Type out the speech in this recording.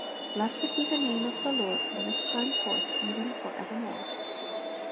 Blessed be the name of the Lord from thb time fortl^ even for evermore.